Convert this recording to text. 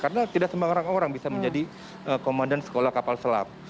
karena tidak semua orang bisa menjadi komandan sekolah kapal selam